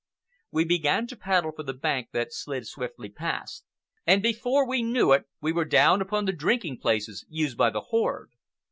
We began to paddle for the bank that slid swiftly past, and before we knew it we were down upon the drinking places used by the horde.